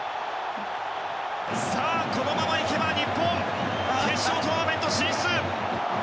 さあ、このまま行けば日本決勝トーナメント進出